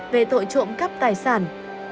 về tội trộm cắp tài sản